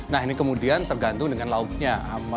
nah ini kemudian tergantung dengan lauknya